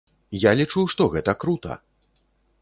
Я лічу, што гэта крута!